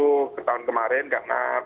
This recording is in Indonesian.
waktu itu tahun kemarin karena beliau